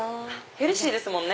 ヘルシーですもんね。